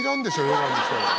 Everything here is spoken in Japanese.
ヨガの人。